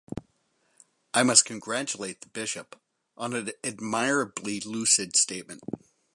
I must congratulate the bishop on an admirably lucid statement.